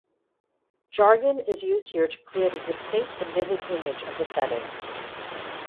Jargon is used here to create a distinct and vivid image of the setting.